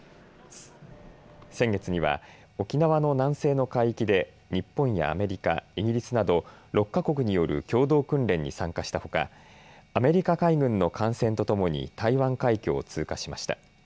先月には沖縄の南西の海域で日本やアメリカ、イギリスなど６か国による共同訓練に参加したほか、アメリカ海軍の艦船とともに台湾海峡を通過しました。